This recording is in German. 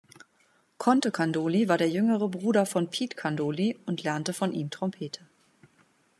Conte Candoli war der jüngere Bruder von Pete Candoli und lernte von ihm Trompete.